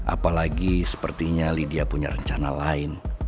apalagi sepertinya lydia punya rencana lain